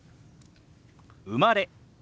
「生まれ」。